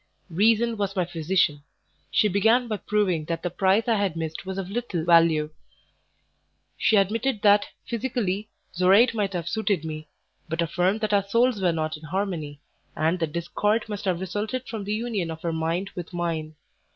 Reason was my physician; she began by proving that the prize I had missed was of little value: she admitted that, physically, Zoraide might have suited me, but affirmed that our souls were not in harmony, and that discord must have resulted from the union of her mind with mine.